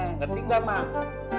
ngerti gak mak